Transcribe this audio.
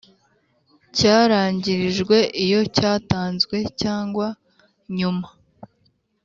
Cyarangirijwe iyo cyatanzwe cyangwa nyuma